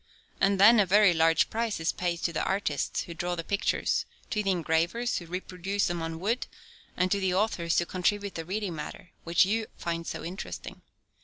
And then a very large price is paid to the artists who draw the pictures, to the engravers who reproduce them on wood, and to the authors who contribute the reading matter which you find so interesting.